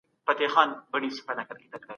سیاستوال څنګه د روغتیا حق باوري کوي؟